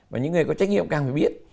và những người có trách nhiệm càng phải biết